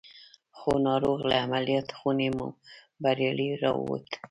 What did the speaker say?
خو ناروغ له عمليات خونې بريالي را ووت.